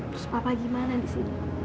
lalu bapak bagaimana di sini